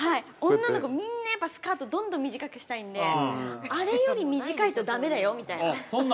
女の子みんなスカートどんどん短くしたいのであれより短いとだめだよみたいな。